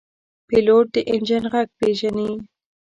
پیلوټ د انجن غږ پېژني.